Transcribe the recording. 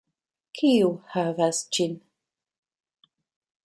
Kiu havas ĝin!